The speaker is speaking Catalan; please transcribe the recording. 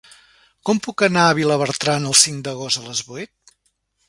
Com puc anar a Vilabertran el cinc d'agost a les vuit?